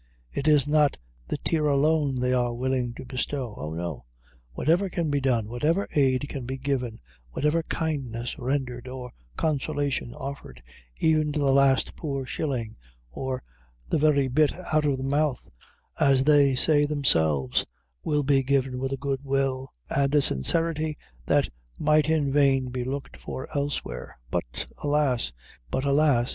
It is not the tear alone they are willing to bestow oh no whatever can be done, whatever aid can be given, whatever kindness rendered, or consolation offered, even to the last poor shilling, or, "the very bit out of the mouth," as they say themselves, will be given with a good will, and a sincerity that might in vain be looked for elsewhere. But alas!